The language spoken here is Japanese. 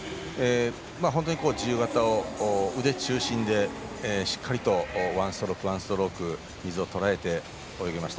本当に、自由形を腕中心でしっかりとワンストローク、ワンストローク水をとらえて泳ぎました。